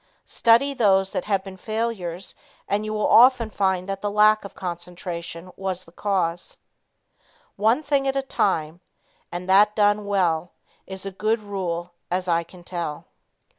Study those that have been failures and you will often find that lack of concentration was the cause. "One thing at a time, and that done will Is a good rule as I can tell."